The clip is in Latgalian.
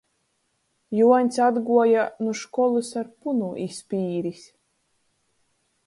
Juoņs atguoja nu školys ar punu iz pīris.